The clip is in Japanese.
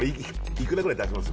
いくらぐらい出します？